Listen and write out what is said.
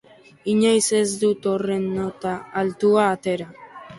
Inoiz ez dut horren nota altua atera.